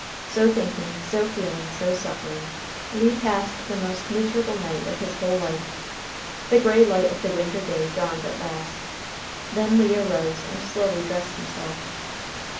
So thinking, so feeling, so suffering, Le passed the most miserable night of his whole life. The gray light of the winter day dawned at last. Then Le arose and slowly dressed himself.